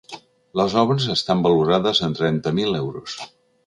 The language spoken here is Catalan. Les obres estan valorades en trenta mil euros.